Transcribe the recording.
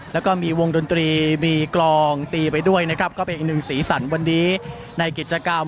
แล้วก็มีวงดนตรีมีกลองตีไปด้วยนะครับก็เป็นอีกหนึ่งสีสันวันนี้ในกิจกรรม